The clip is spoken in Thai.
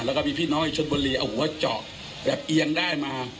แล้วก็พี่น้องอีกชนบุรีเอาหัวเจาะแบบเอียงได้มา